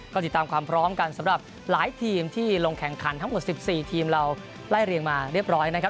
ก็ติดตามความพร้อมกันสำหรับหลายทีมที่ลงแข่งขันทั้งหมด๑๔ทีมเราไล่เรียงมาเรียบร้อยนะครับ